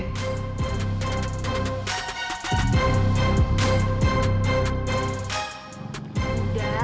udah tenang aja